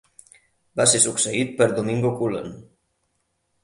Va ser succeït per Domingo Cullen.